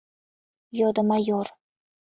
— йодо майор.